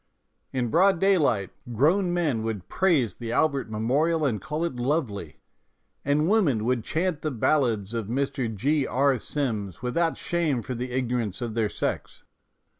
In broad daylight grown men would praise the Albert Memorial and call it lovely, and women would chant the ballads of Mr. G. R. Sims without shame for the ignorance of their sex.